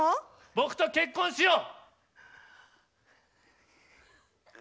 僕と結婚しよう！